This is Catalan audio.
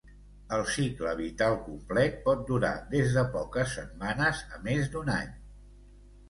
El cicle vital complet pot durar des de poques setmanes a més d’un any.